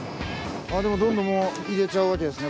あぁでもどんどんもう入れちゃうわけですね